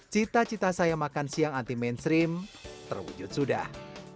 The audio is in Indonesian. cita cita saya makan siang anti mainstream terwujud sudah